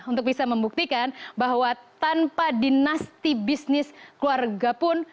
untuk bisa membuktikan bahwa tanpa dinasti bisnis keluarga pun